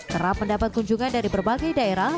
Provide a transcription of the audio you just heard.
kerap mendapat kunjungan dari berbagai daerah